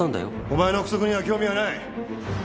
お前の臆測には興味はない。